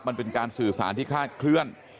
มันเป็นการสื่อสารที่คาดเคลื่อน